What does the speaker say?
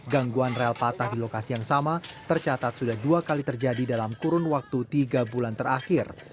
gangguan rel patah di lokasi yang sama tercatat sudah dua kali terjadi dalam kurun waktu tiga bulan terakhir